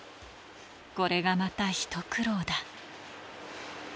これがまた一苦労だ。